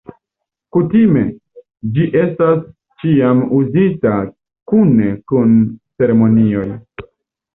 Kutime, ĝi estas ĉiam uzita kune dum ceremonioj.